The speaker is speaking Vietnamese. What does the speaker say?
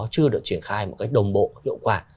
chưa được triển khai một cách đồng bộ hiệu quả